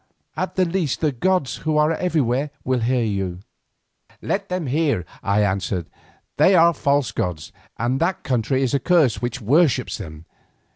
At the least the gods, who are everywhere, will hear you." "Let them hear," I answered. "They are false gods and that country is accursed which worships them.